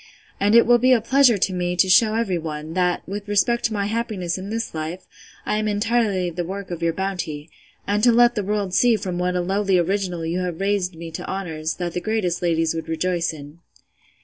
and it will be a pleasure to me to shew every one, that, with respect to my happiness in this life, I am entirely the work of your bounty; and to let the world see from what a lowly original you have raised me to honours, that the greatest ladies would rejoice in.